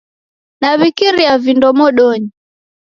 Naw'ikiria vindo modonyi